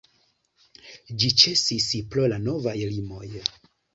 Ĝi ĉesis pro la novaj limoj.